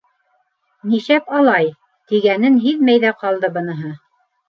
- Нишәп алай? - тигәнен һиҙмәй ҙә ҡалды быныһы.